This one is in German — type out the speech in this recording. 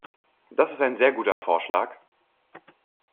Das ist ein sehr guter Vorschlag.